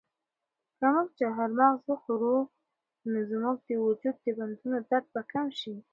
که موږ چهارمغز وخورو نو زموږ د وجود د بندونو درد به کم شي.